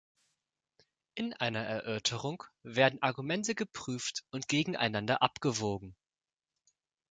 In einer Erörterung werden Argumente geprüft und gegeneinander abgewogen.